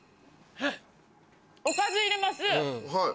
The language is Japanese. おかず入れます。